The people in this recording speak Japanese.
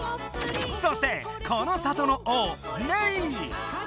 そしてこの里の王メイ！